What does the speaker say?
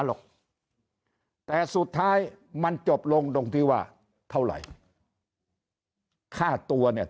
หรอกแต่สุดท้ายมันจบลงตรงที่ว่าเท่าไหร่ค่าตัวเนี่ย